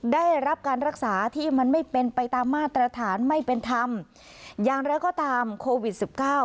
ได้รับการรักษาที่มันไม่เป็นไปตามมาตรฐานไม่เป็นธรรมอย่างไรก็ตามโควิดสิบเก้า